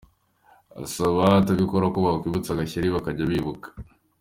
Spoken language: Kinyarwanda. Asaba abatabikora ko bakwikubita agashyi bakajya bibuka.